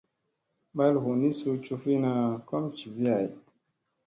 Mɓal hunii suu cufina kom jivi hay.